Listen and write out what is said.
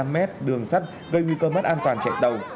ba trăm một mươi năm m đường sắt gây nguy cơ mất an toàn chạy đầu